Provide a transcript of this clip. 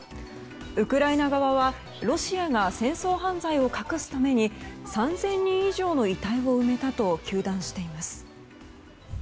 ウクライナ側はロシアが戦争犯罪を隠すために３０００人以上の遺体を埋めたと糾弾しています。